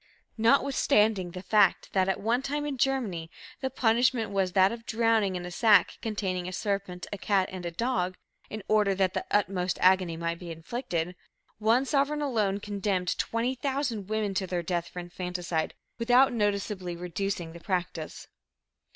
Notwithstanding the fact that at one time in Germany, the punishment was that of drowning in a sack containing a serpent, a cat and a dog in order that the utmost agony might be inflicted one sovereign alone condemned 20,000 women to death for infanticide, without noticeably reducing the practice.